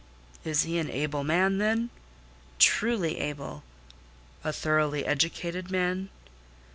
"Is he an able man, then?" "Truly able." "A thoroughly educated man?"